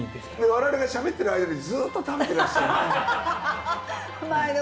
我々がしゃべってる間にずっと食べてらっしゃいます。